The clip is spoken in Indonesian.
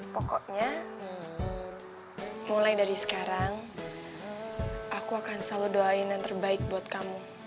pokoknya mulai dari sekarang aku akan selalu doain yang terbaik buat kamu